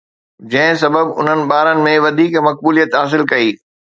جنهن سبب انهن ٻارن ۾ وڌيڪ مقبوليت حاصل ڪئي